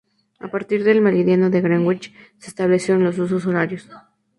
A partir del meridiano de Greenwich se establecieron los husos horarios.